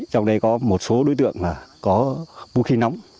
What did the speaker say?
trong đây có một số đối tượng có vũ khí nóng